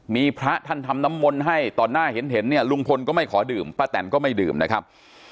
มีพระท่านทำน้ำมนต์ให้ต่อหน้าเห็นเนี่ยลุงพลก็ไม่ขอดื่มป้าแตนก็ไม่ดื่มนะครับ